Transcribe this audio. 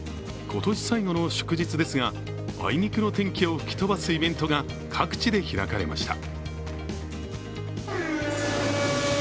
今年最後の祝日ですが、あいにくの天気を吹き飛ばすイベントが各地で開かれました。